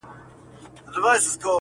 ما پردی ملا لیدلی په محراب کي ځړېدلی-